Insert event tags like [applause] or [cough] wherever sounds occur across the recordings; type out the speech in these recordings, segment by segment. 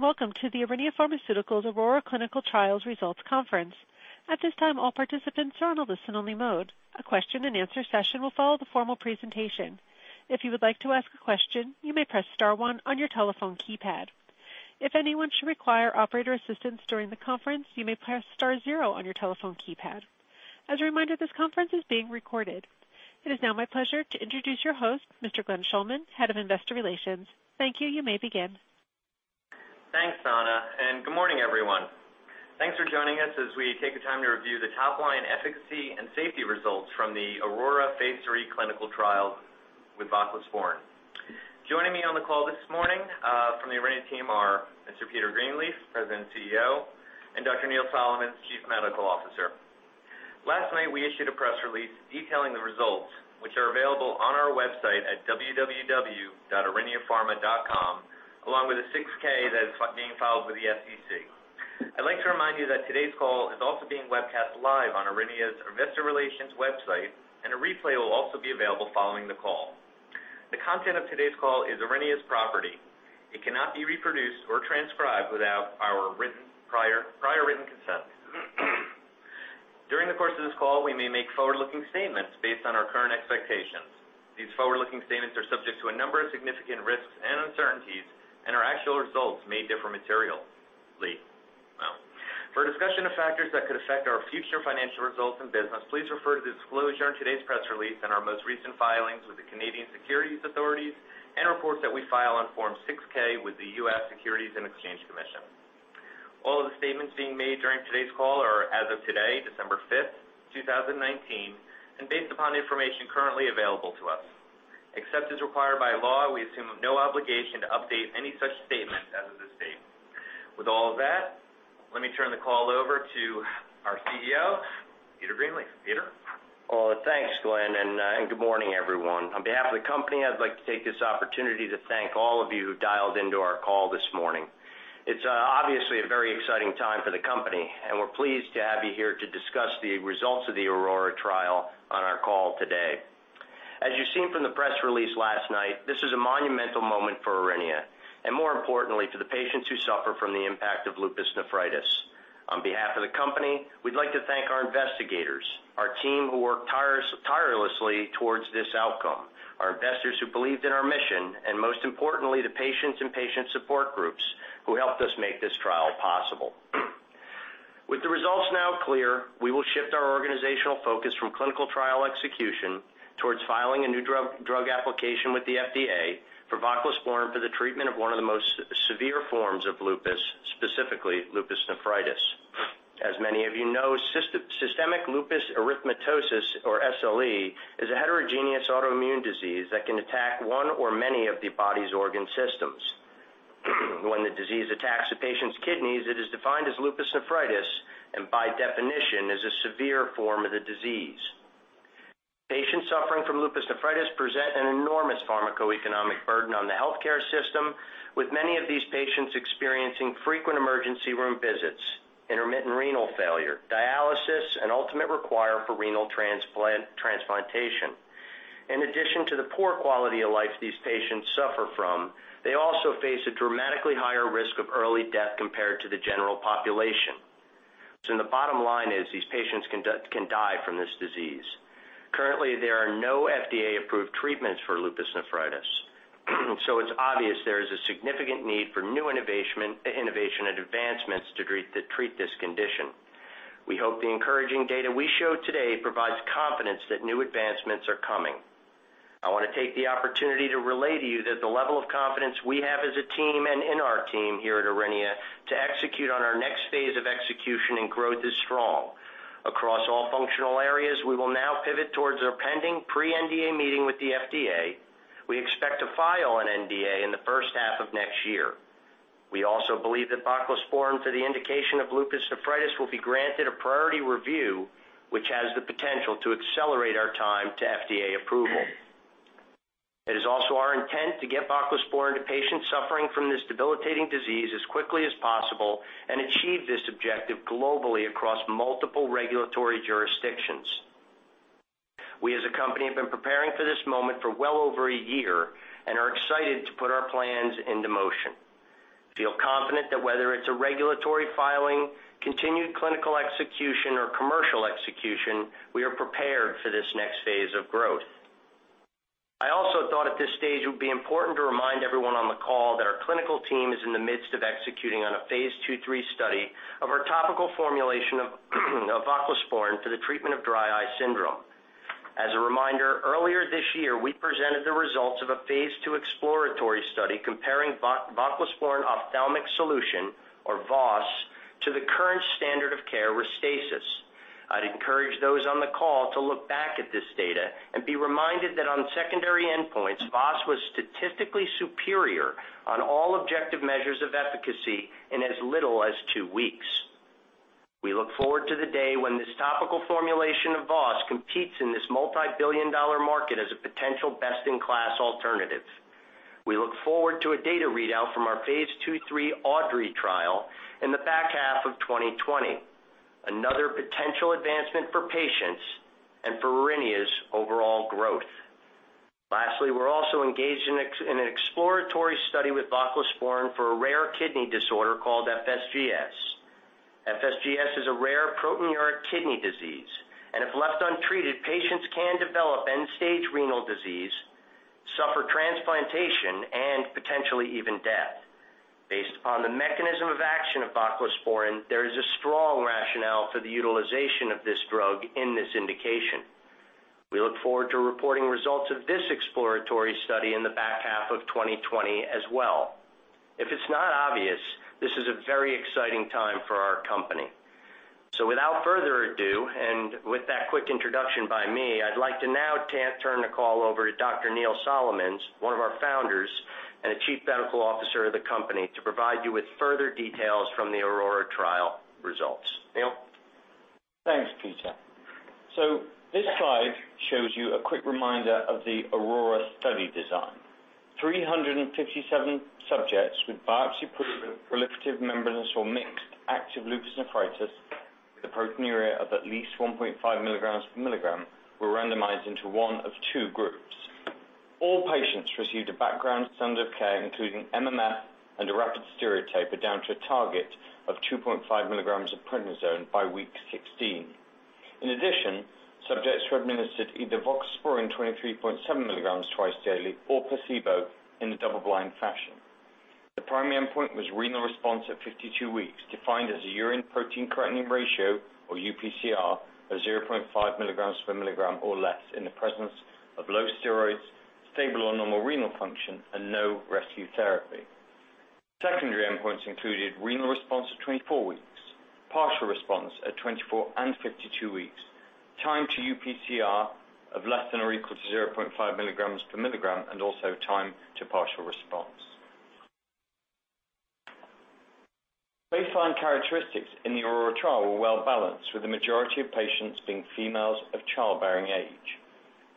Welcome to the Aurinia Pharmaceuticals AURORA Clinical Trials Results Conference. At this time, all participants are on listen-only mode. A question and answer session will follow the formal presentation. If you would like to ask a question, you may press star one on your telephone keypad. If anyone should require operator assistance during the conference, you may press star zero on your telephone keypad. As a reminder, this conference is being recorded. It is now my pleasure to introduce your host, Mr. Glenn Glickman, Head of Investor Relations. Thank you. You may begin. Thanks, Donna, good morning, everyone. Thanks for joining us as we take the time to review the top-line efficacy and safety results from the AURORA Phase III Clinical Trial with voclosporin. Joining me on the call this morning from the Aurinia team are Mr. Peter Greenleaf, President and CEO, and Dr. Neil Solomons, Chief Medical Officer. Last night, we issued a press release detailing the results, which are available on our website at www.auriniapharma.com, along with a 6-K that is being filed with the SEC. I'd like to remind you that today's call is also being webcast live on Aurinia's Investor Relations website, a replay will also be available following the call. The content of today's call is Aurinia's property. It cannot be reproduced or transcribed without our prior written consent. During the course of this call, we may make forward-looking statements based on our current expectations. These forward-looking statements are subject to a number of significant risks and uncertainties, and our actual results may differ materially. For a discussion of factors that could affect our future financial results and business, please refer to the disclosure in today's press release and our most recent filings with the Canadian Securities Administrators and reports that we file on Form 6-K with the U.S. Securities and Exchange Commission. All of the statements being made during today's call are as of today, December 5th, 2019, and based upon the information currently available to us. Except as required by law, we assume no obligation to update any such statement as of this date. With all of that, let me turn the call over to our CEO, Peter Greenleaf. Peter? Well, thanks, Glenn. Good morning, everyone. On behalf of the company, I'd like to take this opportunity to thank all of you who dialed into our call this morning. It's obviously a very exciting time for the company, and we're pleased to have you here to discuss the results of the AURORA trial on our call today. As you've seen from the press release last night, this is a monumental moment for Aurinia and, more importantly, for the patients who suffer from the impact of lupus nephritis. On behalf of the company, we'd like to thank our investigators, our team who worked tirelessly towards this outcome, our investors who believed in our mission, and most importantly, the patients and patient support groups who helped us make this trial possible. With the results now clear, we will shift our organizational focus from clinical trial execution towards filing a new drug application with the FDA for voclosporin for the treatment of one of the most severe forms of lupus, specifically lupus nephritis. As many of you know, systemic lupus erythematosus, or SLE, is a heterogeneous autoimmune disease that can attack one or many of the body's organ systems. When the disease attacks a patient's kidneys, it is defined as lupus nephritis, and by definition, is a severe form of the disease. Patients suffering from lupus nephritis present an enormous pharmacoeconomic burden on the healthcare system, with many of these patients experiencing frequent emergency room visits, intermittent renal failure, dialysis, and ultimate require for renal transplantation. In addition to the poor quality of life these patients suffer from, they also face a dramatically higher risk of early death compared to the general population. The bottom line is these patients can die from this disease. Currently, there are no FDA-approved treatments for lupus nephritis, so it's obvious there is a significant need for new innovation and advancements to treat this condition. We hope the encouraging data we show today provides confidence that new advancements are coming. I want to take the opportunity to relay to you that the level of confidence we have as a team and in our team here at Aurinia to execute on our next phase of execution and growth is strong. Across all functional areas, we will now pivot towards our pending pre-NDA meeting with the FDA. We expect to file an NDA in the first half of next year. We also believe that voclosporin for the indication of lupus nephritis will be granted a priority review, which has the potential to accelerate our time to FDA approval. It is also our intent to get voclosporin to patients suffering from this debilitating disease as quickly as possible and achieve this objective globally across multiple regulatory jurisdictions. We, as a company, have been preparing for this moment for well over a year and are excited to put our plans into motion. Feel confident that whether it's a regulatory filing, continued clinical execution, or commercial execution, we are prepared for this next phase of growth. I also thought at this stage it would be important to remind everyone on the call that our clinical team is in the midst of executing on a phase II/III study of our topical formulation of voclosporin for the treatment of dry eye syndrome. As a reminder, earlier this year, we presented the results of a phase II exploratory study comparing voclosporin ophthalmic solution, or VOS, to the current standard of care, RESTASIS. I'd encourage those on the call to look back at this data and be reminded that on secondary endpoints, VOS was statistically superior on all objective measures of efficacy in as little as two weeks. We look forward to the day when this topical formulation of VOS competes in this multibillion-dollar market as a potential best-in-class alternative. We look forward to a data readout from our phase II/III AUDREY trial in the back half of 2020. We were also engaged in an exploratory study with voclosporin for a rare kidney disorder called FSGS. FSGS is a rare proteinuria kidney disease, and if left untreated, patients can develop end-stage renal disease, suffer transplantation, and potentially even death. Based on the mechanism of action of voclosporin, there is a strong rationale for the utilization of this drug in this indication. We look forward to reporting results of this exploratory study in the back half of 2020 as well. If it's not obvious, this is a very exciting time for our company. Without further ado, and with that quick introduction by me, I'd like to now turn the call over to Dr. Neil Solomons, one of our founders and the Chief Medical Officer of the company, to provide you with further details from the AURORA trial results. Neil? Thanks, Peter. This slide shows you a quick reminder of the AURORA study design. 357 subjects with biopsy-proven proliferative, membranous, or mixed active lupus nephritis with a proteinuria of at least 1.5 milligrams per milligram were randomized into one of two groups. All patients received a background standard of care, including MMF and a rapid steroid taper down to a target of 2.5 milligrams of prednisone by week 16. In addition, subjects were administered either voclosporin 23.7 milligrams twice daily or placebo in a double-blind fashion. The primary endpoint was renal response at 52 weeks, defined as a urine protein creatinine ratio, or uPCR, of 0.5 milligrams per milligram or less in the presence of low steroids, stable or normal renal function, and no rescue therapy. Secondary endpoints included renal response at 24 weeks, partial response at 24 and 52 weeks, time to uPCR of less than or equal to 0.5 milligrams per milligram, and also time to partial response. Baseline characteristics in the AURORA trial were well-balanced, with the majority of patients being females of childbearing age.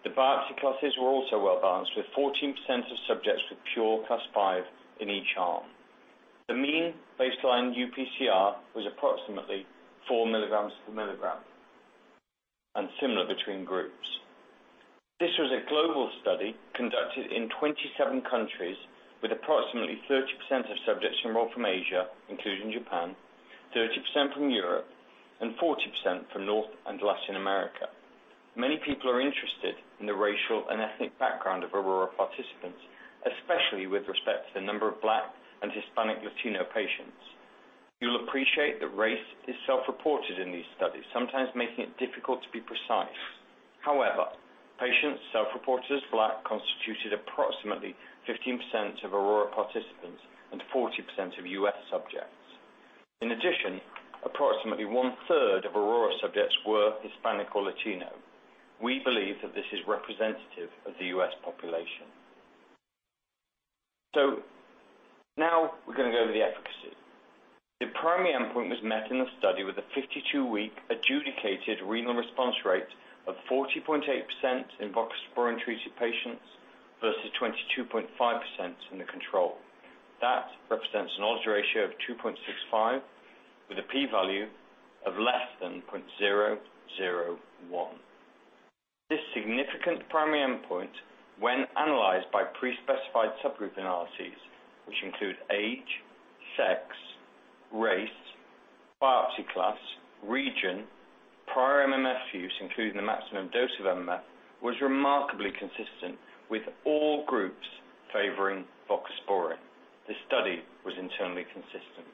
The biopsy classes were also well-balanced, with 14% of subjects with pure class 5 in each arm. The mean baseline uPCR was approximately four milligrams per milligram and similar between groups. This was a global study conducted in 27 countries with approximately 30% of subjects enrolled from Asia, including Japan, 30% from Europe, and 40% from North and Latin America. Many people are interested in the racial and ethnic background of AURORA participants, especially with respect to the number of Black and Hispanic Latino patients. You'll appreciate that race is self-reported in these studies, sometimes making it difficult to be precise. Patients self-reported as Black constituted approximately 15% of AURORA participants and 40% of U.S. subjects. Approximately one-third of AURORA subjects were Hispanic or Latino. We believe that this is representative of the U.S. population. Now we're going to go over the efficacy. The primary endpoint was met in the study with a 52-week adjudicated renal response rate of 40.8% in voclosporin-treated patients versus 22.5% in the control. That represents an odds ratio of 2.65 with a P value of less than 0.001. This significant primary endpoint, when analyzed by pre-specified subgroup analyses, which include age, sex, race, biopsy class, region, prior MMF use, including the maximum dose of MMF, was remarkably consistent, with all groups favoring voclosporin. The study was internally consistent.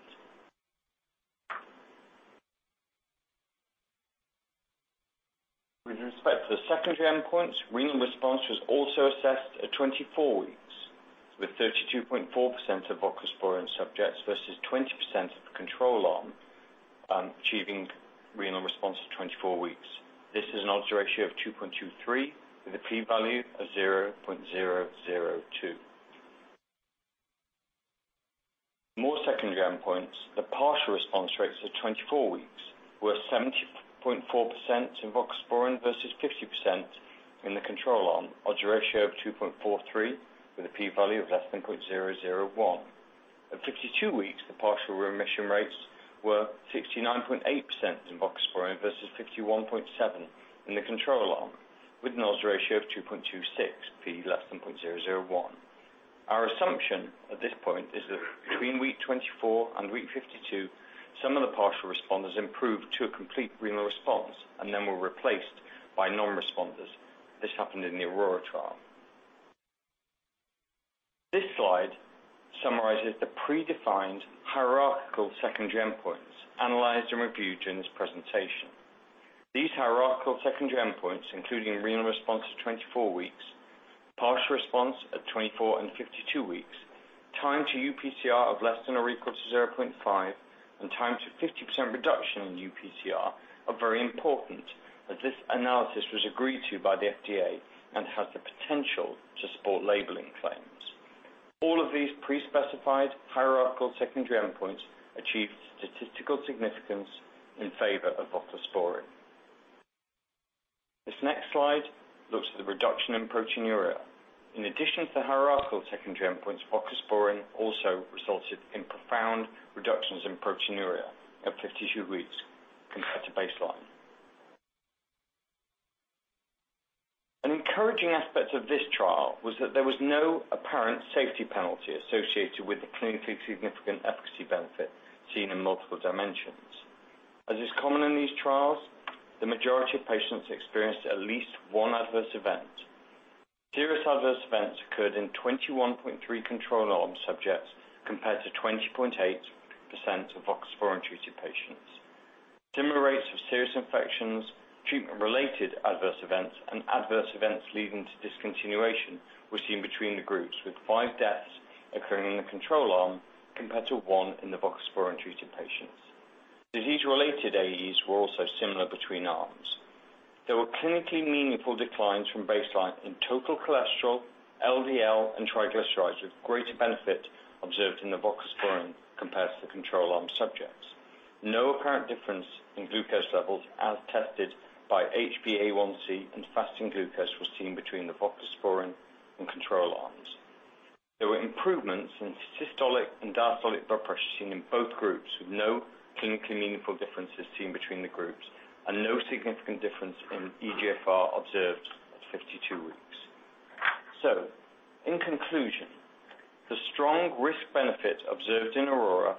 With respect to the secondary endpoints, renal response was also assessed at 24 weeks, with 32.4% of voclosporin subjects versus 20% of the control arm achieving renal response at 24 weeks. This is an odds ratio of 2.23 with a P value of 0.002. More secondary endpoints, the partial response rates at 24 weeks were 70.4% in voclosporin versus 50% in the control arm. Odds ratio of 2.43 with a P value of less than 0.001. At 52 weeks, the partial remission rates were 69.8% in voclosporin versus 51.7% in the control arm, with an odds ratio of 2.26, P less than 0.001. Our assumption at this point is that between week 24 and week 52, some of the partial responders improved to a complete renal response and then were replaced by non-responders. This happened in the AURORA trial. This slide summarizes the predefined hierarchical secondary endpoints analyzed and reviewed during this presentation. These hierarchical secondary endpoints, including renal response at 24 weeks, partial response at 24 and 52 weeks, time to uPCR of less than or equal to 0.5, and time to 50% reduction in uPCR, are very important as this analysis was agreed to by the FDA and has the potential to support labeling claims. All of these pre-specified hierarchical secondary endpoints achieved statistical significance in favor of voclosporin. This next slide looks at the reduction in proteinuria. In addition to the hierarchical secondary endpoints, voclosporin also resulted in profound reductions in proteinuria at 52 weeks compared to baseline. An encouraging aspect of this trial was that there was no apparent safety penalty associated with the clinically significant efficacy benefit seen in multiple dimensions. As is common in these trials, the majority of patients experienced at least one adverse event. Serious adverse events occurred in 21.3 control arm subjects, compared to 20.8% of voclosporin-treated patients. Similar rates of serious infections, treatment-related adverse events, and adverse events leading to discontinuation were seen between the groups, with five deaths occurring in the control arm compared to one in the voclosporin-treated patients. Disease-related AEs were also similar between arms. There were clinically meaningful declines from baseline in total cholesterol, LDL, and triglycerides, with greater benefit observed in the voclosporin compared to the control arm subjects. No apparent difference in glucose levels as tested by HbA1c and fasting glucose was seen between the voclosporin and control arms. There were improvements in systolic and diastolic blood pressure seen in both groups, with no clinically meaningful differences seen between the groups and no significant difference in eGFR observed at 52 weeks. In conclusion, the strong risk-benefit observed in AURORA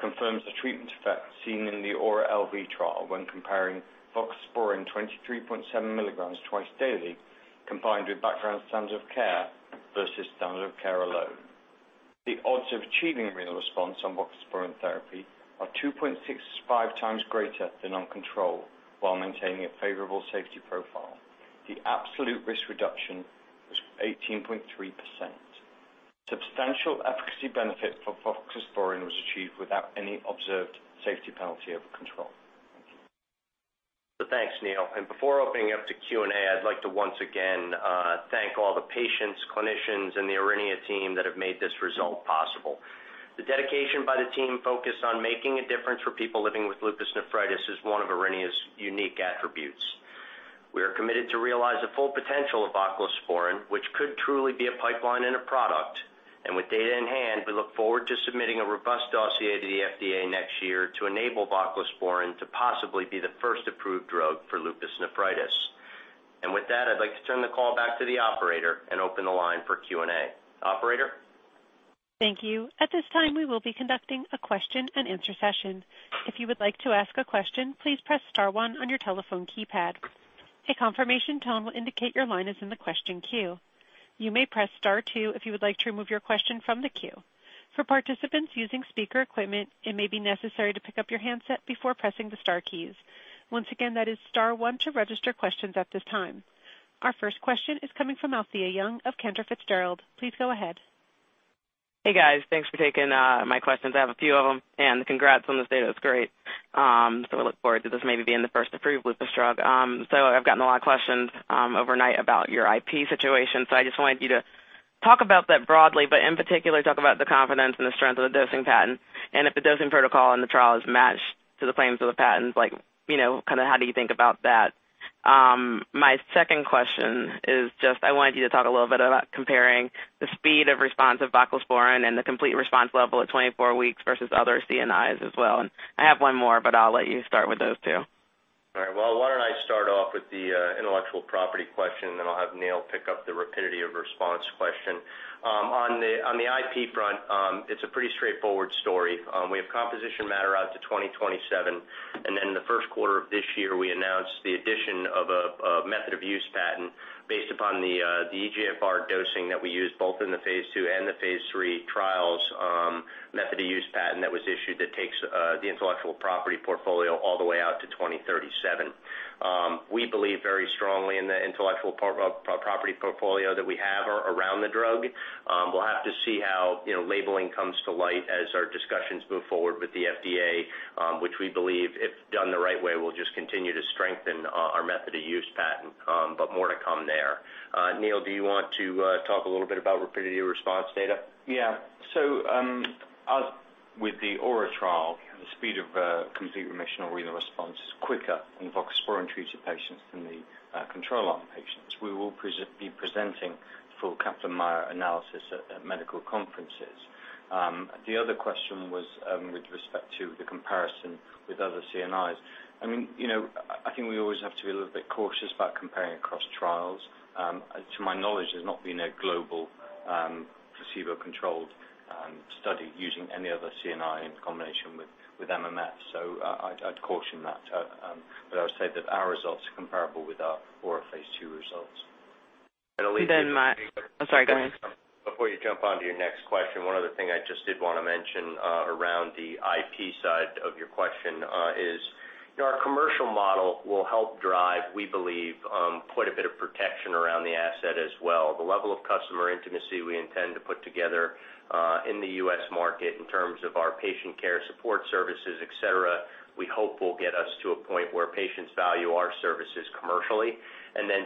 confirms the treatment effect seen in the AURA-LV trial when comparing voclosporin 23.7 milligrams twice daily combined with background standard of care versus standard of care alone. The odds of achieving renal response on voclosporin therapy are 2.65 times greater than on control while maintaining a favorable safety profile. The absolute risk reduction was 18.3%. Substantial efficacy benefit for voclosporin was achieved without any observed safety penalty over control. Thanks, Neil. Before opening up to Q&A, I'd like to once again thank all the patients, clinicians, and the Aurinia team that have made this result possible. The dedication by the team focused on making a difference for people living with lupus nephritis is one of Aurinia's unique attributes. We are committed to realize the full potential of voclosporin, which could truly be a pipeline and a product. With data in hand, we look forward to submitting a robust dossier to the FDA next year to enable voclosporin to possibly be the first approved drug for lupus nephritis. With that, I'd like to turn the call back to the operator and open the line for Q&A. Operator? Thank you. At this time, we will be conducting a question-and-answer session. If you would like to ask a question, please press star one on your telephone keypad. A confirmation tone will indicate your line is in the question queue. You may press star two if you would like to remove your question from the queue. For participants using speaker equipment, it may be necessary to pick up your handset before pressing the star keys. Once again, that is star one to register questions at this time. Our first question is coming from Alethia Young of Cantor Fitzgerald. Please go ahead. Hey, guys. Thanks for taking my questions. I have a few of them, and congrats on this data. It's great. We look forward to this maybe being the first approved lupus drug. I've gotten a lot of questions overnight about your IP situation. I just wanted you to talk about that broadly, but in particular, talk about the confidence and the strength of the dosing patent and if the dosing protocol and the trial is matched to the claims of the patents, how do you think about that? My second question is just I wanted you to talk a little bit about comparing the speed of response of voclosporin and the complete response level at 24 weeks versus other CNIs as well. I have one more, but I'll let you start with those two. All right. Well, why don't I start off with the intellectual property question, then I'll have Neil pick up the rapidity of response question. On the IP front, it's a pretty straightforward story. We have composition matter out to 2027, then in the first quarter of this year, we announced the addition of a method of use patent based upon the eGFR dosing that we used both in the phase II and the phase III trials method of use patent that was issued that takes the intellectual property portfolio all the way out to 2037. We believe very strongly in the intellectual property portfolio that we have around the drug. We'll have to see how labeling comes to light as our discussions move forward with the FDA, which we believe, if done the right way, will just continue to strengthen our method of use patent. More to come there. Neil, do you want to talk a little bit about rapidity of response data? Yeah. As with the AURA trial, the speed of complete remission or renal response is quicker in voclosporin-treated patients than the control arm patients. We will be presenting full Kaplan-Meier analysis at medical conferences. The other question was with respect to the comparison with other CNIs. I think we always have to be a little bit cautious about comparing across trials. To my knowledge, there's not been a global placebo-controlled study using any other CNI in combination with MMF, so I'd caution that. I would say that our results are comparable with our AURA phase II results. Alethia. I'm sorry, go ahead. Before you jump onto your next question, one other thing I just did want to mention around the IP side of your question is our commercial model will help drive, we believe, quite a bit of protection around the asset as well. The level of customer intimacy we intend to put together in the U.S. market in terms of our patient care support services, et cetera, we hope will get us to a point where patients value our services commercially.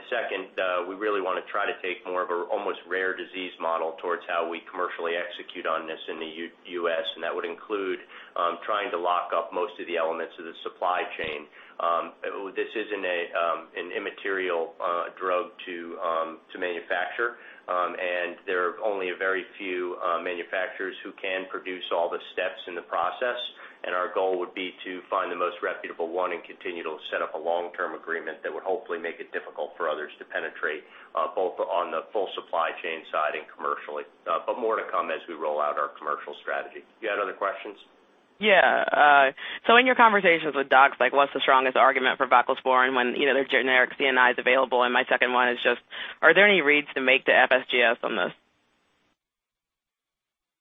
Second, we really want to try to take more of an almost rare disease model towards how we commercially execute on this in the U.S., and that would include trying to lock up most of the elements of the supply chain. This isn't an immaterial drug to manufacture, and there are only a very few manufacturers who can produce all the steps in the process. Our goal would be to find the most reputable one and continue to set up a long-term agreement that would hopefully make it difficult for others to penetrate, both on the full supply chain side and commercially. More to come as we roll out our commercial strategy. Do you have other questions? In your conversations with docs, what's the strongest argument for voclosporin when their generic CNIs are available? My second one is just are there any reads to make the FSGS on this?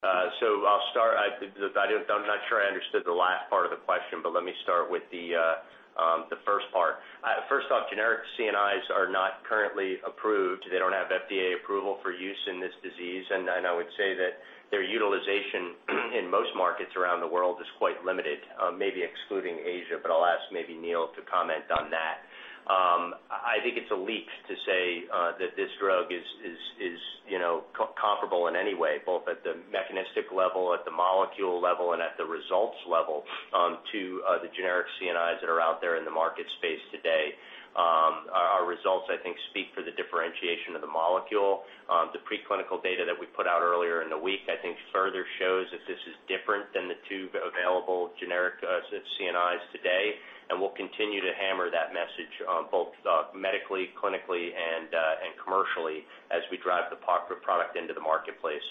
I'll start. I'm not sure I understood the last part of the question, let me start with the first part. First off, generic CNIs are not currently approved. They don't have FDA approval for use in this disease. I would say that their utilization in most markets around the world is quite limited, maybe excluding Asia, I'll ask maybe Neil to comment on that. I think it's a leap to say that this drug is comparable in any way, both at the mechanistic level, at the molecule level, and at the results level to the generic CNIs that are out there in the market space today. Our results, I think, speak for the differentiation of the molecule. The preclinical data that we put out earlier in the week, I think further shows that this is different than the two available generic CNIs today. We'll continue to hammer that message both medically, clinically, and commercially as we drive the product into the marketplace.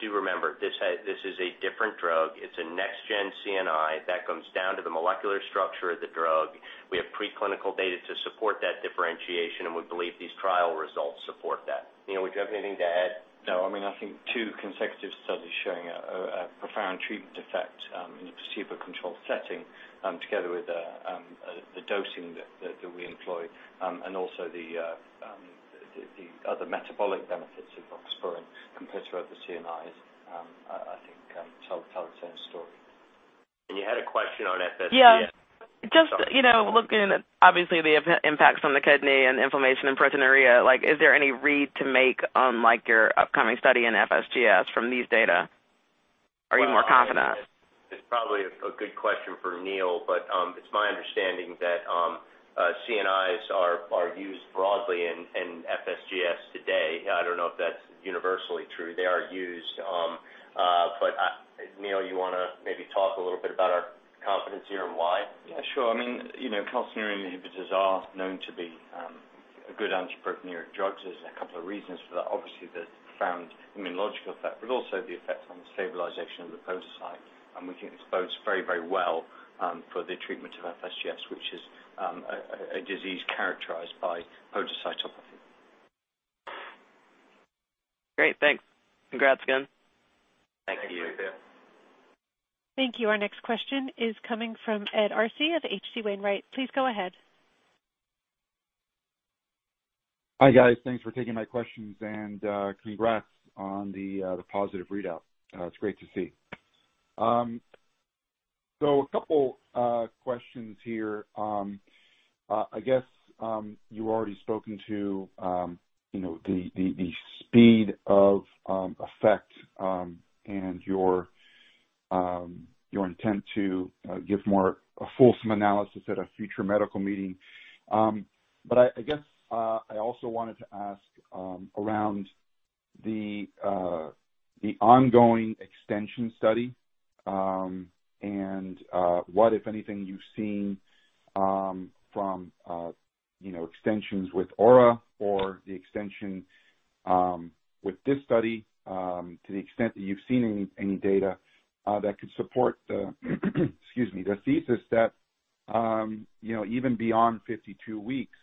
Do remember, this is a different drug. It's a next-gen CNI. That comes down to the molecular structure of the drug. We have preclinical data to support that differentiation, and we believe these trial results support that. Neil, would you have anything to add? No. I think two consecutive studies showing a profound treatment effect in a placebo-controlled setting, together with the dosing that we employ and also the other metabolic benefits of voclosporin compared to other CNIs, I think tells its own story. You had a question on FSGS. Yeah. Just looking at, obviously, the impacts on the kidney and inflammation and proteinuria. Is there any read to make on your upcoming study in FSGS from these data? Are you more confident? It's probably a good question for Neil, but it's my understanding that CNIs are used broadly in FSGS today. I don't know if that's universally true. They are used. Neil, you want to maybe talk a little bit about our confidence here and why? Yeah, sure. Calcineurin inhibitors are known to be good anti-proteinuric drugs. There's a couple of reasons for that, obviously the profound immunological effect, but also the effect on the stabilization of the podocyte. We think this bodes very well for the treatment of FSGS, which is a disease characterized by podocytopathy. Great. Thanks. Congrats again. Thank you. Thank you. Thank you. Our next question is coming from Ed Arce of H.C. Wainwright. Please go ahead. Hi, guys. Thanks for taking my questions and congrats on the positive readout. It's great to see. A couple questions here. I guess you've already spoken to the speed of effect, and your intent to give a more fulsome analysis at a future medical meeting. I guess I also wanted to ask around the ongoing extension study, and what, if anything, you've seen from extensions with AURA or the extension with this study, to the extent that you've seen any data that could support the excuse me, the thesis that even beyond 52 weeks,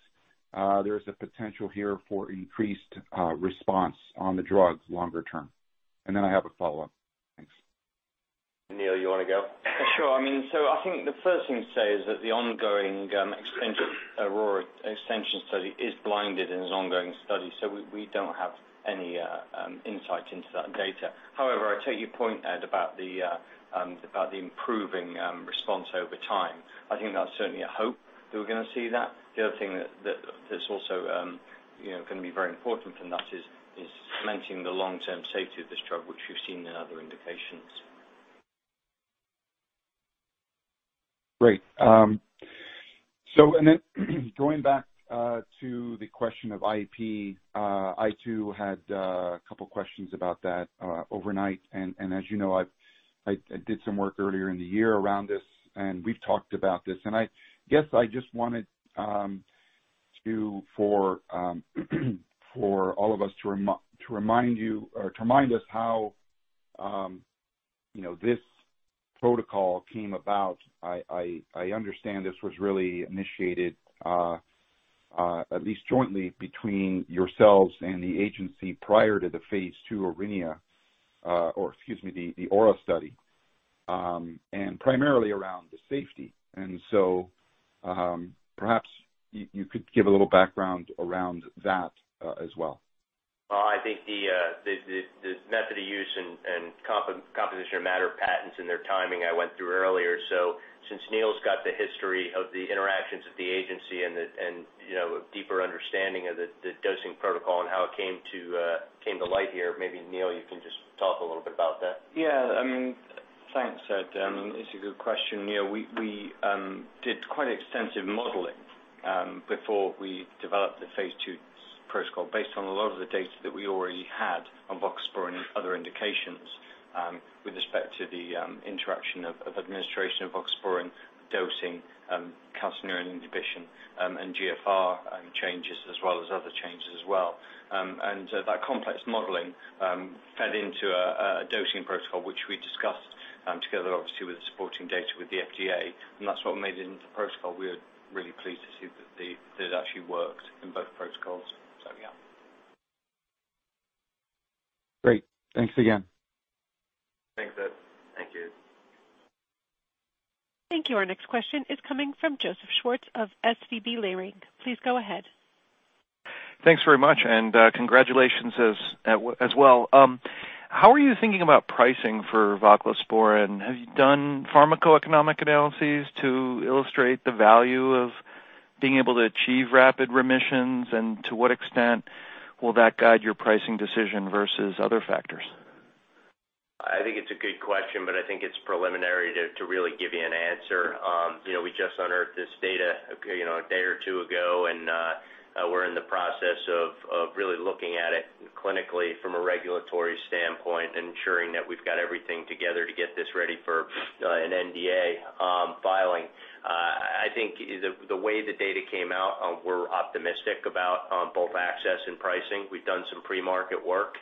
there is a potential here for increased response on the drugs longer term. I have a follow-up. Thanks. Neil, you want to go? Sure. I think the first thing to say is that the ongoing AURA extension study is blinded and is an ongoing study. We don't have any insight into that data. However, I take your point, Ed, about the improving response over time. I think that's certainly a hope that we're going to see that. The other thing that's also going to be very important in that is maintaining the long-term safety of this drug, which we've seen in other indications. Great. Going back to the question of IP, I, too, had a couple questions about that overnight. As you know, I did some work earlier in the year around this, and we've talked about this. I guess I just wanted for all of us to remind us how this protocol came about. I understand this was really initiated at least jointly between yourselves and the agency prior to the phase II AURA, or excuse me, the AURA study, and primarily around the safety. Perhaps you could give a little background around that as well. I think the method of use and composition of matter patents and their timing I went through earlier. Since Neil's got the history of the interactions with the agency and a deeper understanding of the dosing protocol and how it came to light here, maybe Neil, you can just talk a little bit about that. Yeah. Thanks, Ed. It's a good question. We did quite extensive modeling before we developed the phase II protocol based on a lot of the data that we already had on voclosporin and other indications with respect to the interaction of administration of voclosporin dosing, calcineurin inhibition, and GFR changes, as well as other changes as well. That complex modeling fed into a dosing protocol, which we discussed together, obviously with the supporting data with the FDA, and that's what made it into protocol. We are really pleased to see that it actually works in both protocols. Yeah. Great. Thanks again. Thanks, Ed. Thank you. Thank you. Our next question is coming from Joseph Schwartz of Leerink Partners. Please go ahead. Thanks very much, and congratulations as well. How are you thinking about pricing for voclosporin? Have you done pharmacoeconomic analyses to illustrate the value of being able to achieve rapid remissions, and to what extent will that guide your pricing decision versus other factors? I think it's a good question. I think it's preliminary to really give you an answer. We just unearthed this data a day or two ago, and we're in the process of really looking at it clinically from a regulatory standpoint and ensuring that we've got everything together to get this ready for an NDA filing. I think the way the data came out, we're optimistic about both access and pricing. We've done some pre-market work.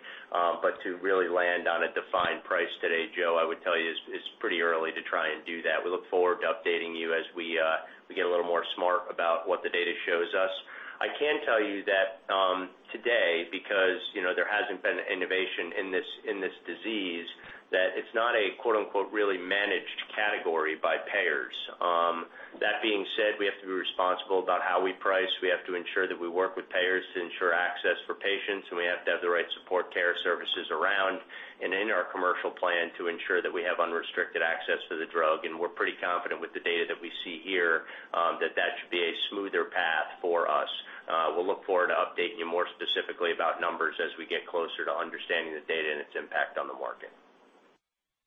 To really land on a defined price today, Joe, I would tell you, it's pretty early to try and do that. We look forward to updating you as we get a little more smart about what the data shows us. I can tell you that today, because there hasn't been innovation in this disease, that it's not a quote unquote "really managed category by payers." That being said, we have to be responsible about how we price. We have to ensure that we work with payers to ensure access for patients, and we have to have the right support care services around and in our commercial plan to ensure that we have unrestricted access to the drug. We're pretty confident with the data that we see here that that should be a smoother path for us. We'll look forward to updating you more specifically about numbers as we get closer to understanding the data and its impact on the market.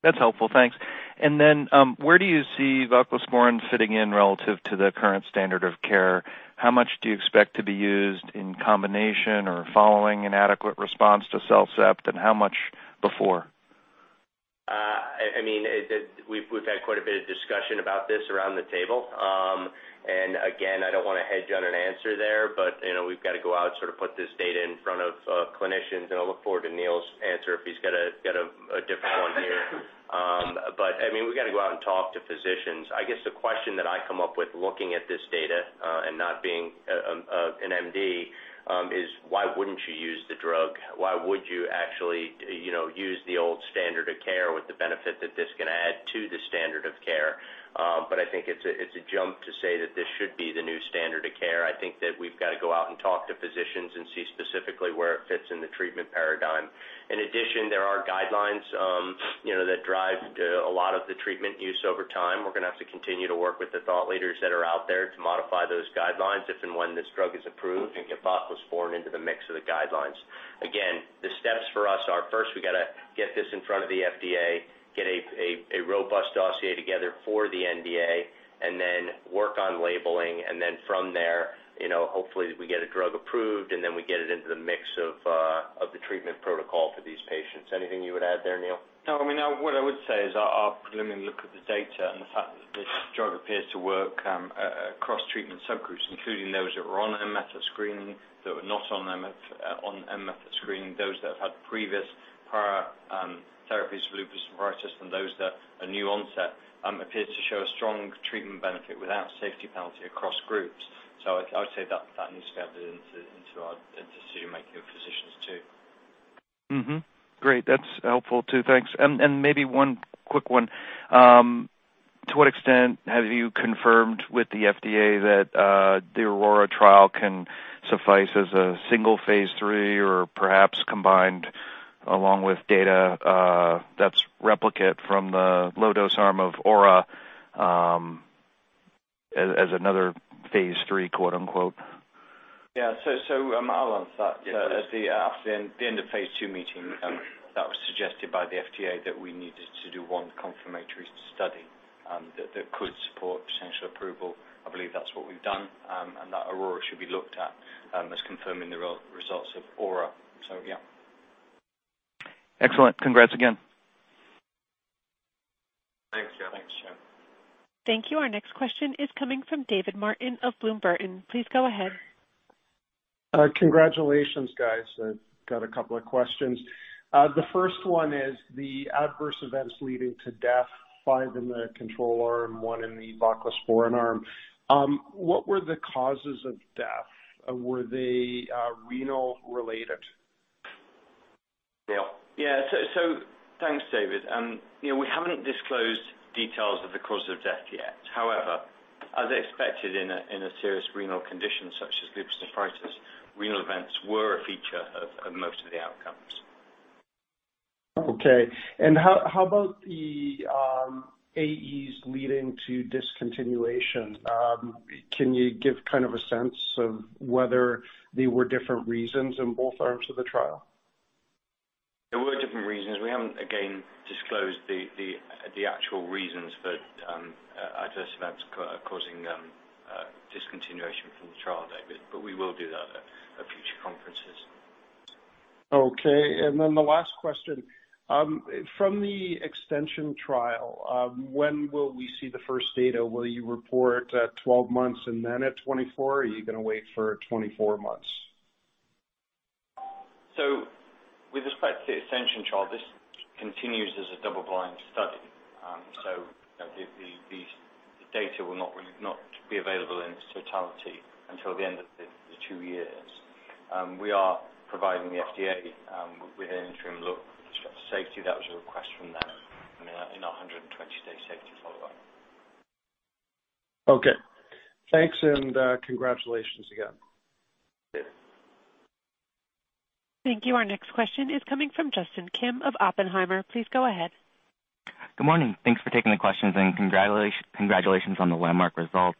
That's helpful. Thanks. Where do you see voclosporin fitting in relative to the current standard of care? How much do you expect to be used in combination or following inadequate response to CellCept, and how much before? We've had quite a bit of discussion about this around the table. Again, I don't want to hedge on an answer there, but we've got to go out, put this data in front of clinicians, and I'll look forward to Neil's answer if he's got a different one here. We've got to go out and talk to physicians. I guess the question that I come up with looking at this data, and not being an MD, is why wouldn't you use the drug? Why would you actually use the old standard of care with the benefit that this can add to the standard of care? I think it's a jump to say that this should be the new standard of care. I think that we've got to go out and talk to physicians and see specifically where it fits in the treatment paradigm. In addition, there are guidelines that drive a lot of the treatment use over time. We're going to have to continue to work with the thought leaders that are out there to modify those guidelines if and when this drug is approved and get voclosporin into the mix of the guidelines. Again, the steps for us are first, we've got to get this in front of the FDA, get a robust dossier together for the NDA, and then work on labeling. From there, hopefully we get a drug approved, and then we get it into the mix of the treatment protocol for these patients. Anything you would add there, Neil? No. What I would say is our preliminary look at the data and the fact that this drug appears to work across treatment subgroups, including those that were on MMFS screening, that were not on MMFS screening, those that have had previous prior therapies for lupus nephritis, and those that are new onset, appears to show a strong treatment benefit without safety penalty across groups. I would say that needs to be added into decision making of physicians too. Great. That's helpful too. Thanks. Maybe one quick one. To what extent have you confirmed with the FDA that the AURORA trial can suffice as a single phase III or perhaps combined along with data that's replicated from the low dose arm of AURA as another phase III? Yeah. I'll answer that. Yeah, please. At the end of phase II meeting, that was suggested by the FDA that we needed to do one confirmatory study that could support potential approval. I believe that's what we've done, that AURORA should be looked at as confirming the results of AURA. Yeah. Excellent. Congrats again. Thanks, Joe. Thanks, Joe. Thank you. Our next question is coming from David Martin of Bloom Burton. Please go ahead. Congratulations, guys. I've got a couple of questions. The first one is the adverse events leading to death, five in the control arm, one in the voclosporin arm. What were the causes of death? Were they renal related? Neil. Yeah. Thanks, David. We haven't disclosed details of the cause of death yet. However, as expected in a serious renal condition such as lupus nephritis, renal events were a feature of most of the outcomes. Okay. How about the AEs leading to discontinuation? Can you give a sense of whether they were different reasons in both arms of the trial? There were different reasons. We haven't, again, disclosed the actual reasons for adverse events causing discontinuation from the trial, David, but we will do that at future conferences. Okay. The last question. From the extension trial, when will we see the first data? Will you report at 12 months and then at 24, or are you going to wait for 24 months? With respect to the extension trial, this continues as a double-blind study. The data will not be available in its totality until the end of the two years. We are providing the FDA with an interim look with respect to safety. That was a request from them in our 120-day safety follow-up. Okay, thanks and congratulations again. Thank you. Thank you. Our next question is coming from Justin Kim of Oppenheimer. Please go ahead. Good morning. Thanks for taking the questions and congratulations on the landmark results.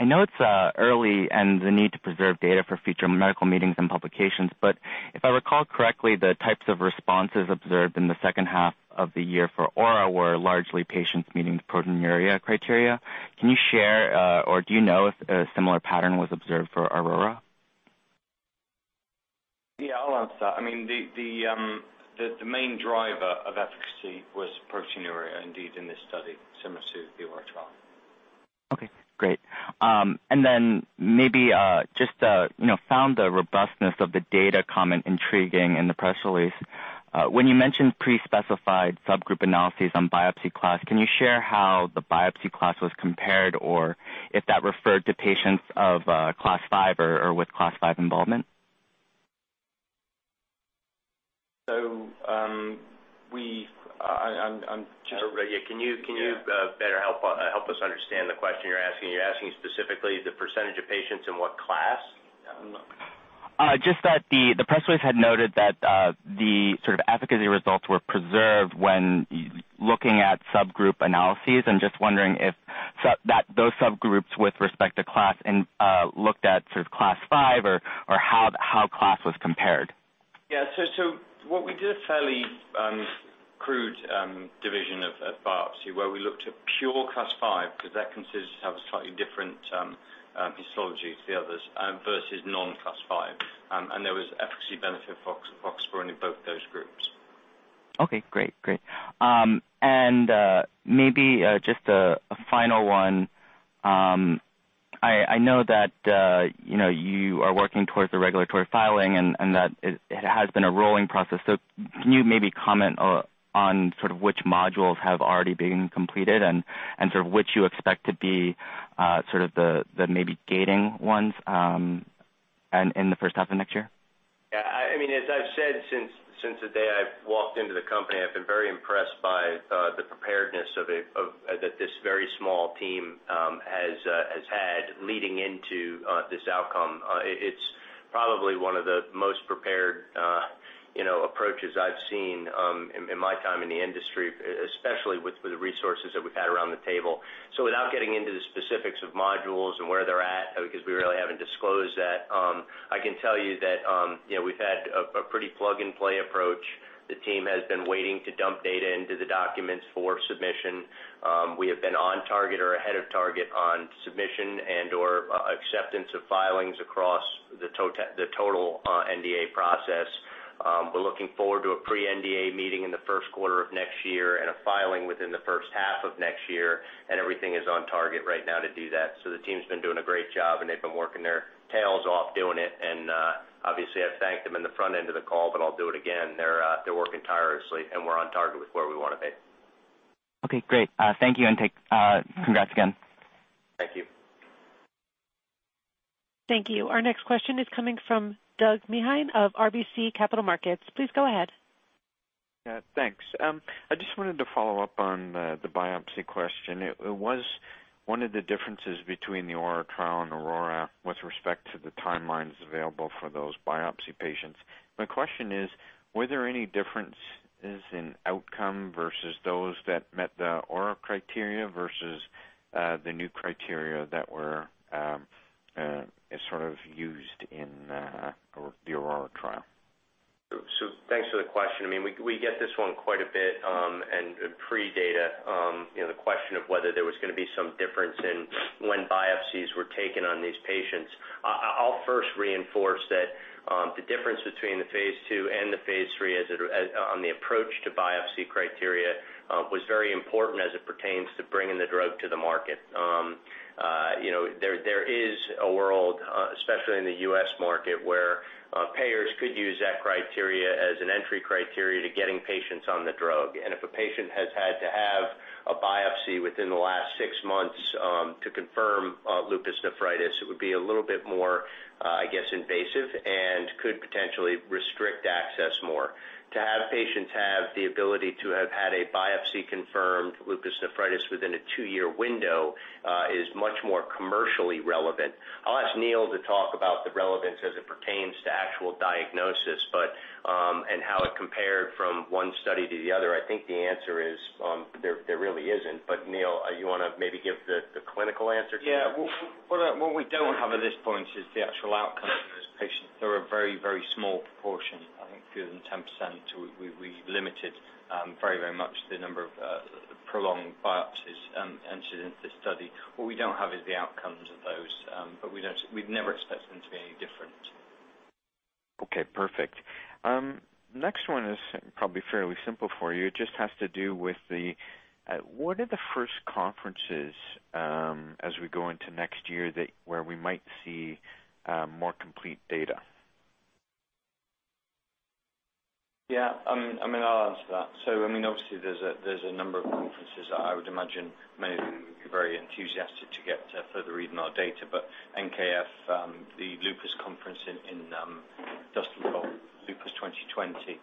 I know it's early and the need to preserve data for future medical meetings and publications, but if I recall correctly, the types of responses observed in the second half of the year for AURA were largely patients meeting proteinuria criteria. Can you share, or do you know if a similar pattern was observed for AURORA? Yeah, I'll answer that. The main driver of efficacy was proteinuria, indeed, in this study, similar to the AURA trial. Okay, great. I just found the robustness of the data comment intriguing in the press release. When you mentioned pre-specified subgroup analyses on biopsy class, can you share how the biopsy class was compared or if that referred to patients of Class 5 or with Class 5 involvement? So we-- I'm just- Yeah, can you better help us understand the question you're asking? You're asking specifically the percentage of patients in what class? Just that the press release had noted that the sort of efficacy results were preserved when looking at subgroup analyses, and just wondering if those subgroups with respect to class and looked at sort of Class 5 or how class was compared? Yeah. What we did a fairly crude division of biopsy where we looked at pure Class 5 because that considers to have a slightly different histology to the others versus non-Class 5. There was efficacy benefit for voclosporin in both those groups. Okay, great. Maybe just a final one. I know that you are working towards the regulatory filing and that it has been a rolling process. Can you maybe comment on which modules have already been completed and sort of which you expect to be the maybe gating ones in the first half of next year? Yeah, as I've said since the day I've walked into the company, I've been very impressed by the preparedness that this very small team has had leading into this outcome. It's probably one of the most prepared approaches I've seen in my time in the industry, especially with the resources that we've had around the table. Without getting into the specifics of modules and where they're at, because we really haven't disclosed that, I can tell you that we've had a pretty plug-and-play approach. The team has been waiting to dump data into the documents for submission. We have been on target or ahead of target on submission and/or acceptance of filings across the total NDA process. We're looking forward to a pre-NDA meeting in the first quarter of next year and a filing within the first half of next year. Everything is on target right now to do that. The team's been doing a great job, and they've been working their tails off doing it. Obviously, I've thanked them in the front end of the call, but I'll do it again. They're working tirelessly, and we're on target with where we want to be. Okay, great. Thank you and congrats again. Thank you. Thank you. Our next question is coming from Douglas Miehm of RBC Capital Markets. Please go ahead. Yeah, thanks. I just wanted to follow up on the biopsy question. It was one of the differences between the AURA trial and AURORA with respect to the timelines available for those biopsy patients. My question is, were there any differences in outcome versus those that met the AURA criteria versus the new criteria that were sort of used in the AURORA trial? Thanks for the question. We get this one quite a bit in pre-data. The question of whether there was going to be some difference in when biopsies were taken on these patients. I'll first reinforce that the difference between the phase II and the phase III on the approach to biopsy criteria was very important as it pertains to bringing the drug to the market. There is a world, especially in the U.S. market, where payers could use that criteria as an entry criteria to getting patients on the drug. If a patient has had to have a biopsy within the last 6 months to confirm lupus nephritis, it would be a little bit more, I guess, invasive and could potentially restrict access more. To have patients have the ability to have had a biopsy-confirmed lupus nephritis within a 2-year window is much more commercially relevant. I'll ask Neil to talk about the relevance as it pertains to actual diagnosis and how it compared from one study to the other. I think the answer is there really isn't. Neil, you want to maybe give the clinical answer to that? Yeah. Very, very small proportion. I think fewer than 10%. We limited very, very much the number of prolonged biopsies incident to the study. What we don't have is the outcomes of those, but we'd never expect them to be any different. Okay, perfect. Next one is probably fairly simple for you. It just has to do with what are the first conferences as we go into next year, where we might see more complete data? Yeah. I'll answer that. Obviously there's a number of conferences that I would imagine many of you would be very enthusiastic to get further read on our data, but NKF, the lupus conference in [inaudible] Lupus 2020,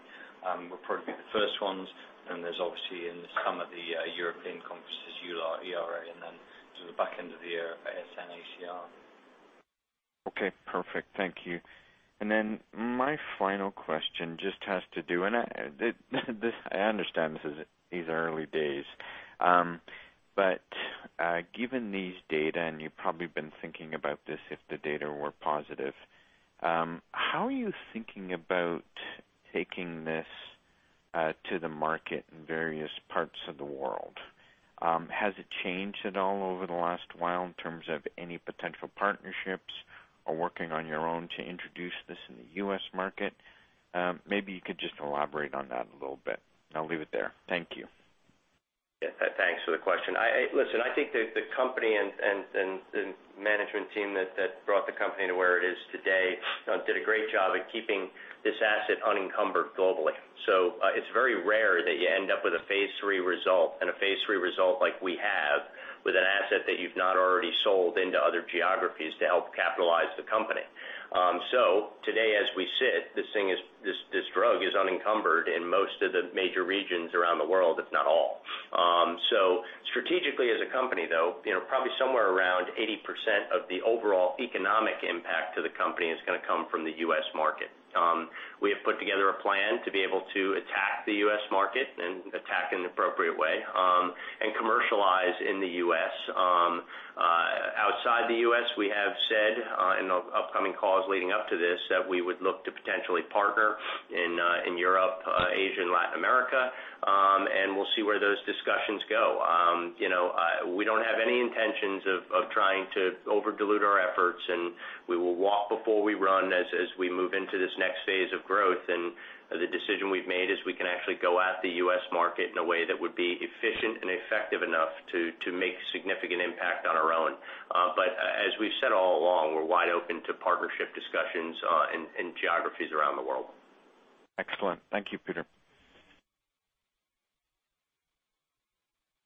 will probably be the first ones. There's obviously in the summer, the European conferences, EULAR, ERA, and then to the back end of the year, ASN, ACR. Okay, perfect. Thank you. My final question just has to do, and I understand these are early days. Given these data, and you've probably been thinking about this if the data were positive, how are you thinking about taking this to the market in various parts of the world? Has it changed at all over the last while in terms of any potential partnerships or working on your own to introduce this in the U.S. market? Maybe you could just elaborate on that a little bit. I'll leave it there. Thank you. Yes. Thanks for the question. Listen, I think that the company and management team that brought the company to where it is today did a great job at keeping this asset unencumbered globally. It's very rare that you end up with a phase III result and a phase III result like we have with an asset that you've not already sold into other geographies to help capitalize the company. Today, as we sit, this drug is unencumbered in most of the major regions around the world, if not all. Strategically, as a company, though, probably somewhere around 80% of the overall economic impact to the company is going to come from the U.S. market. We have put together a plan to be able to attack the U.S. market, and attack in an appropriate way, and commercialize in the U.S. Outside the U.S., we have said, in upcoming calls leading up to this, that we would look to potentially partner in Europe, Asia, and Latin America. We'll see where those discussions go. We don't have any intentions of trying to over-dilute our efforts, and we will walk before we run as we move into this next phase of growth. The decision we've made is we can actually go at the U.S. market in a way that would be efficient and effective enough to make a significant impact on our own. As we've said all along, we're wide open to partnership discussions in geographies around the world. Excellent. Thank you, Peter.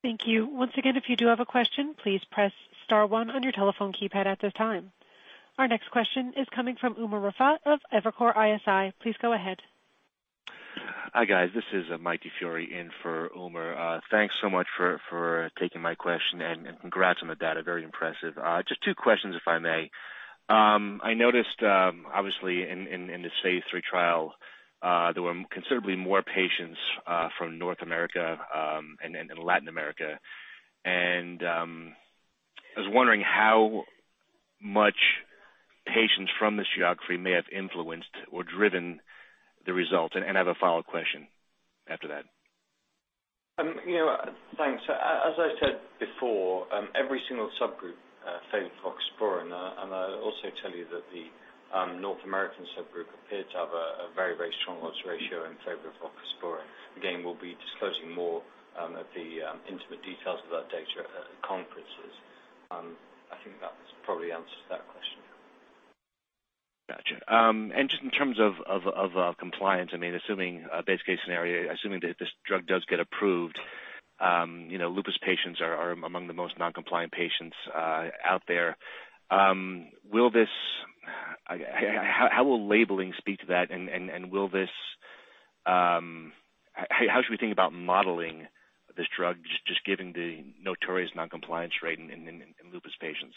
Thank you. Once again, if you do have a question, please press star one on your telephone keypad at this time. Our next question is coming from Umer Raffat of Evercore ISI. Please go ahead. Hi, guys. This is Mike DiFiore in for Umer. Thanks so much for taking my question and congrats on the data. Very impressive. Just two questions, if I may. I noticed, obviously, in this phase III trial, there were considerably more patients from North America and Latin America. I was wondering how much patients from this geography may have influenced or driven the result. I have a follow-up question after that. Thanks. As I said before, every single subgroup favored voclosporin. I'll also tell you that the North American subgroup appeared to have a very, very strong loss ratio in favor of voclosporin. Again, we'll be disclosing more of the intimate details of that data at conferences. I think that probably answers that question. Gotcha. Just in terms of compliance, assuming a best case scenario, assuming that this drug does get approved, lupus patients are among the most noncompliant patients out there. How will labeling speak to that, and how should we think about modeling this drug, just given the notorious noncompliance rate in lupus patients?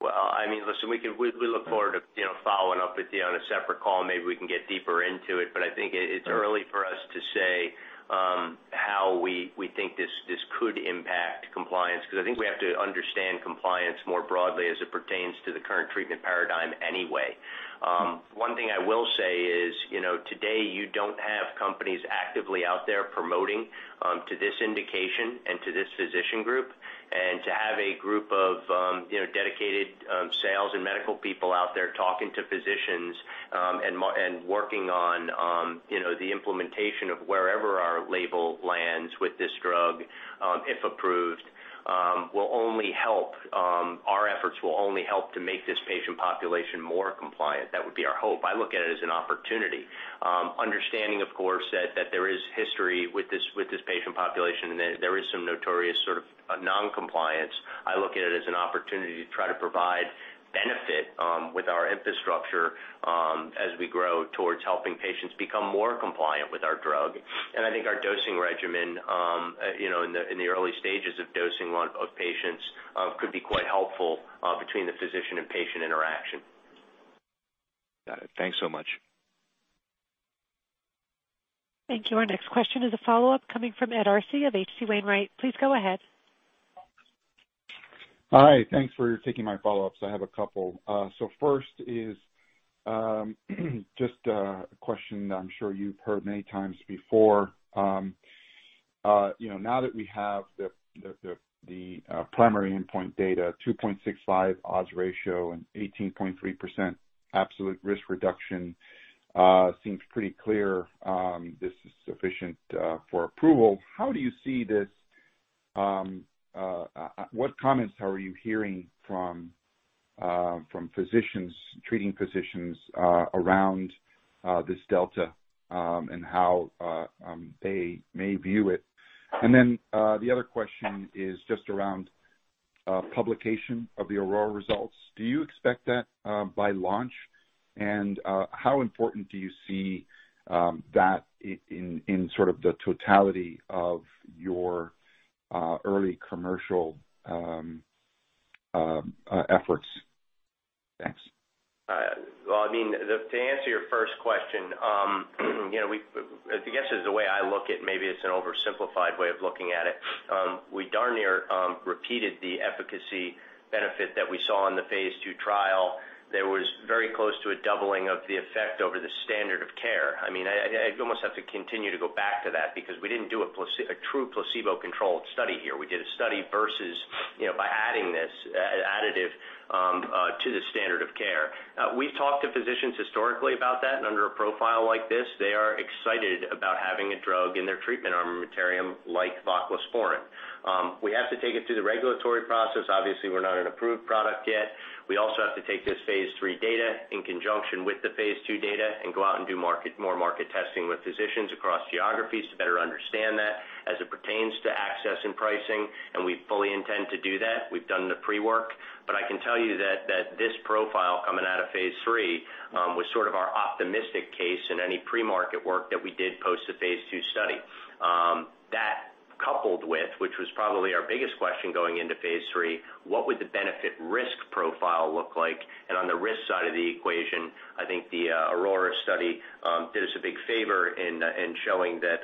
Well, listen, we look forward to following up with you on a separate call. Maybe we can get deeper into it, but I think it's early for us to say how we think this could impact compliance, because I think we have to understand compliance more broadly as it pertains to the current treatment paradigm anyway. One thing I will say is, today you don't have companies actively out there promoting to this indication and to this physician group. To have a group of dedicated sales and medical people out there talking to physicians and working on the implementation of wherever our label lands with this drug, if approved, our efforts will only help to make this patient population more compliant. That would be our hope. I look at it as an opportunity. Understanding, of course, that there is history with this patient population, there is some notorious sort of noncompliance. I look at it as an opportunity to try to provide benefit with our infrastructure as we grow towards helping patients become more compliant with our drug. I think our dosing regimen, in the early stages of dosing of patients, could be quite helpful between the physician and patient interaction. Got it. Thanks so much. Thank you. Our next question is a follow-up coming from Ed Arce of H.C. Wainwright. Please go ahead. Hi. Thanks for taking my follow-ups. I have a couple. First is just a question that I'm sure you've heard many times before. Now that we have the primary endpoint data, 2.65 odds ratio and 18.3% absolute risk reduction, seems pretty clear this is sufficient for approval. How do you see this? What comments are you hearing from treating physicians around this delta and how they may view it? The other question is just around publication of the AURORA results. Do you expect that by launch? How important do you see that in the totality of your early commercial efforts? Thanks. To answer your first question, I guess the way I look at it, maybe it's an oversimplified way of looking at it. We darn near repeated the efficacy benefit that we saw in the phase II trial. There was very close to a doubling of the effect over the standard of care. I'd almost have to continue to go back to that because we didn't do a true placebo-controlled study here. We did a study versus by adding this additive to the standard of care. We've talked to physicians historically about that, under a profile like this, they are excited about having a drug in their treatment armamentarium like voclosporin. We have to take it through the regulatory process. Obviously, we're not an approved product yet. We also have to take this phase III data in conjunction with the phase II data and go out and do more market testing with physicians across geographies to better understand that as it pertains to access and pricing. We fully intend to do that. We've done the pre-work. I can tell you that this profile coming out of phase III was sort of our optimistic case in any pre-market work that we did post the phase II study. That coupled with, which was probably our biggest question going into phase III, what would the benefit risk profile look like? On the risk side of the equation, I think the AURORA study did us a big favor in showing that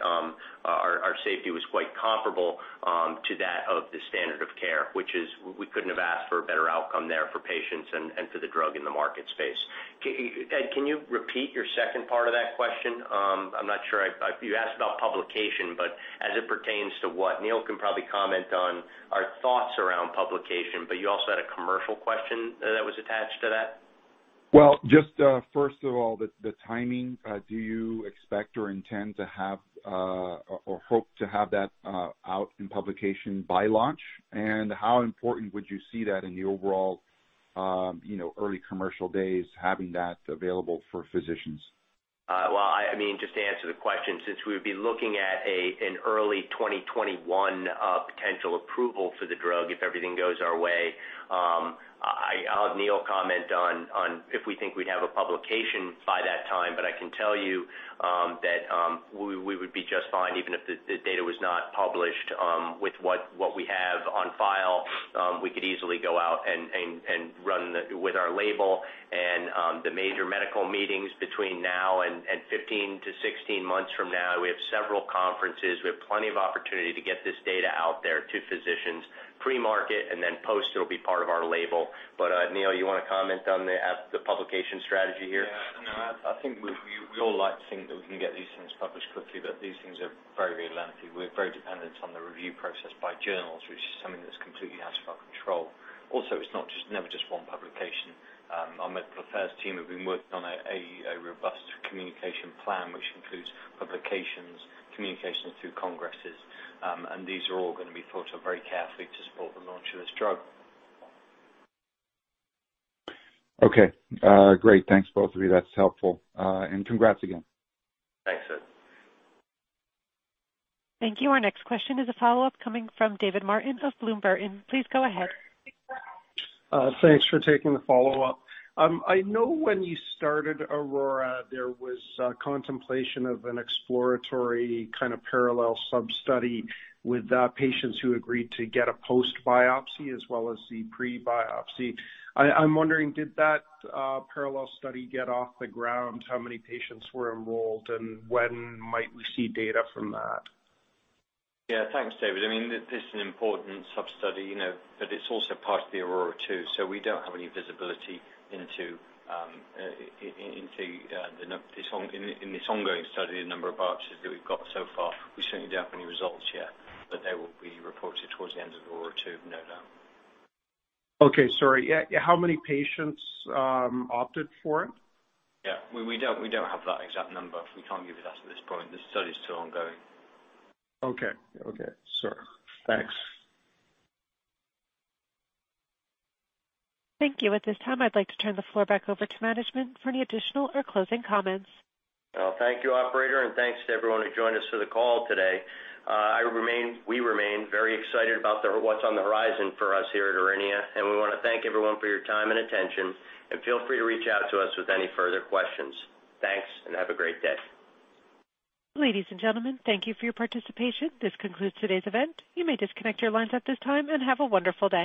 our safety was quite comparable to that of the standard of care, which is we couldn't have asked for a better outcome there for patients and for the drug in the market space. Ed, can you repeat your second part of that question? I'm not sure. You asked about publication, but as it pertains to what? Neil can probably comment on our thoughts around publication, but you also had a commercial question that was attached to that. Well, just first of all, the timing, do you expect or intend to have or hope to have that out in publication by launch? How important would you see that in the overall early commercial days, having that available for physicians? Well, just to answer the question, since we would be looking at an early 2021 potential approval for the drug, if everything goes our way. I'll have Neil comment on if we think we'd have a publication by that time. I can tell you that we would be just fine even if the data was not published with what we have on file. We could easily go out and run with our label and the major medical meetings between now and 15 to 16 months from now. We have several conferences. We have plenty of opportunity to get this data out there to physicians pre-market, and then post it will be part of our label. Neil, you want to comment on the publication strategy here? Yeah. No, I think we all like to think that we can get these things published quickly, but these things are very lengthy. We're very dependent on the review process by journals, which is something that's completely out of our control. Also, it's never just one publication. Our medical affairs team have been working on a robust communication plan, which includes publications, communications through congresses. These are all going to be thought of very carefully to support the launch of this drug. Okay. Great. Thanks both of you. That's helpful. Congrats again. Thanks, Ed. Thank you. Our next question is a follow-up coming from David Martin of Bloom Burton. Please go ahead. Thanks for taking the follow-up. I know when you started AURORA, there was contemplation of an exploratory kind of parallel sub-study with patients who agreed to get a post-biopsy as well as the pre-biopsy. I'm wondering, did that parallel study get off the ground? How many patients were enrolled, and when might we see data from that? Yeah. Thanks, David. This is an important sub-study, but it's also part of the AURORA 2. We don't have any visibility in this ongoing study, the number of biopsies that we've got so far. We certainly don't have any results yet, but they will be reported towards the end of AURORA 2 no doubt. Okay. Sorry. How many patients opted for it? Yeah. We don't have that exact number. We can't give you that at this point. The study's still ongoing. Okay. Sure. Thanks. Thank you. At this time, I'd like to turn the floor back over to management for any additional or closing comments. Well, thank you, operator. Thanks to everyone who joined us for the call today. We remain very excited about what's on the horizon for us here at Aurinia. We want to thank everyone for your time and attention. Feel free to reach out to us with any further questions. Thanks. Have a great day. Ladies and gentlemen, thank you for your participation. This concludes today's event. You may disconnect your lines at this time, and have a wonderful day.